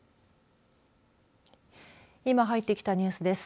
今入ってきたニュースです。